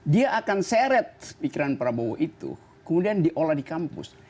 dia akan seret pikiran prabowo itu kemudian diolah di kampus